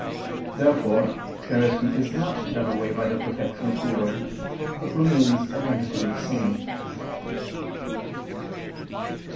Therefore charity is not done away by the perfection of glory, but remains identically the same.